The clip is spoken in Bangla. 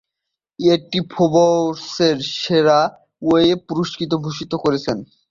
এটি ফোর্বসের সেরা ওয়েব পুরস্কারে ভূষিত হয়েছে।